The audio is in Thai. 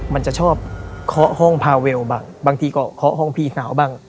มันจะชอบเคาะห้องพาเวลบ้างบางทีก็เคาะห้องพี่สาวบ้าง